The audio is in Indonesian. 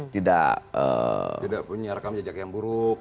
tidak punya rekam jejak yang buruk